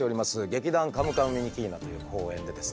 劇団カムカムミニキーナという公演でですね